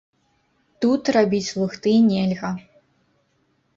Тут рабіць лухты нельга.